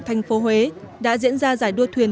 thành phố huế đã diễn ra giải đua thuyền